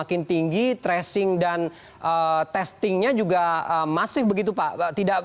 semakin tinggi tracing dan testingnya juga masih begitu pak